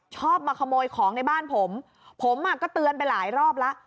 ชอบมาขโมยของในบ้านผมผมอ่ะก็เตือนไปหลายรอบแล้ว